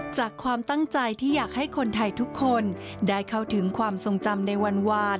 ความตั้งใจที่อยากให้คนไทยทุกคนได้เข้าถึงความทรงจำในวันวาน